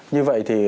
như vậy thì